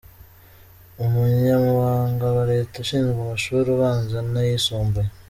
Umunyamabanga wa Leta ushinzwe amashuri abanza n’ayisumbuye,